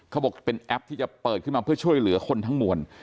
เขาบอกเป็นแอปที่จะเปิดขึ้นมาเพื่อช่วยเหลือคนทั้งมวล